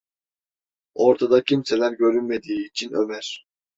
Ortada kimseler görünmediği için Ömer: